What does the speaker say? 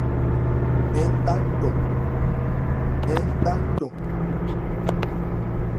Ń tha cɔn.